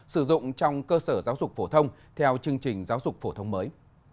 sử dụng trong cơ sở giáo dục phổ thông theo chương trình giáo dục phổ thông mới